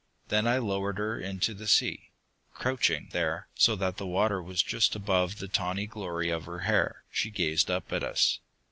Then I lowered her into the sea. Crouching there, so that the water was just above the tawny glory of her hair, she gazed up at us.